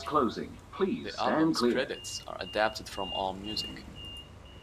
The album's credits are adapted from AllMusic.